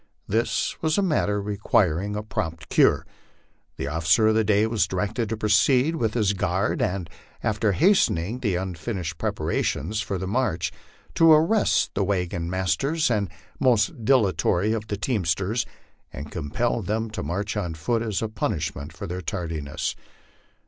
This was a matter requiring a prompt cure. The officer of the day was directed to proceed with his guard, and, after hastening the unfinished preparations for the march, to arrest the wagon mas ters and most dilatory of the teamsters, and compel them to march on foot as a punishment for their tardiness.